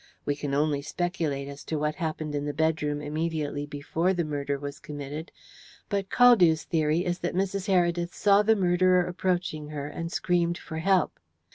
We can only speculate as to what happened in the bedroom immediately before the murder was committed, but Caldew's theory is that Mrs. Heredith saw the murderer approaching her, and screamed for help.